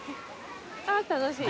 ああ楽しい。